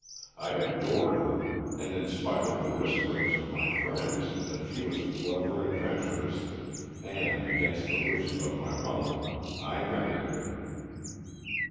I adored her, and in spite of the whisperings of my friends that she was a clever adventuress, and against the wishes of my mother, I married her.